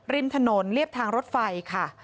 ริมถนนเรียบทางรถไฟค่ะ